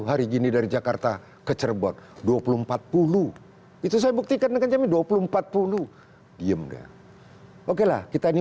hari gini dari jakarta ke cirebon dua puluh empat puluh itu saya buktikan dengan jam dua puluh empat puluh diem deh okelah kita ini